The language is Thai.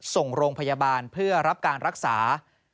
ส่งโรงพยาบาลเพื่อรับการรักษา